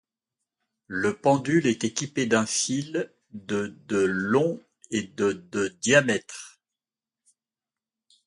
Le pendule est équipé d'un fil de de long et de de diamètre.